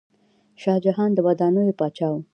شاه جهان د ودانیو پاچا و.